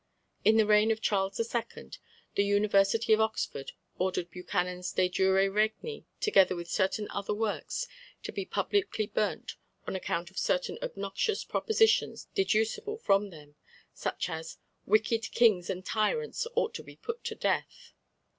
In the reign of Charles II. the University of Oxford ordered Buchanan's De jure regni, together with certain other works, to be publicly burnt on account of certain obnoxious propositions deducible from them; such as "Wicked kings and tyrants ought to be put to death."